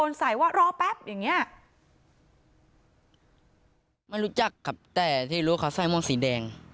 แล้วเราได้เจอกันในงานคือไหมครับที่เราไปเที่ยว